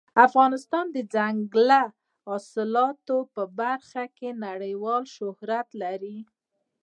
افغانستان د دځنګل حاصلات په برخه کې نړیوال شهرت لري.